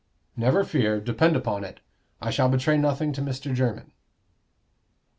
"Never fear. Depend upon it, I shall betray nothing to Mr. Jermyn."